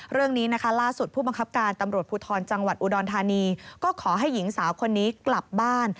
เรื่องนี้นะคะล่าสุดผู้บังคับการตำรวจภูทรจังหวัดอุดรธานีก็ขอให้หญิงสาวคนนี้กลับบ้าน